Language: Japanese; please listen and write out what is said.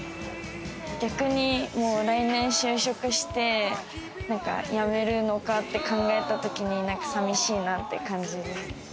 逆に来年就職して辞めるのかって考えたときに寂しいなって感じる。